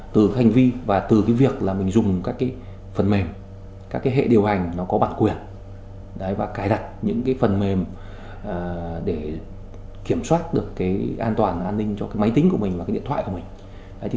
từ hành vi và từ việc mình dùng các phần mềm các hệ điều hành có bản quyền và cài đặt những phần mềm để kiểm soát được an toàn an ninh cho máy tính và điện thoại của mình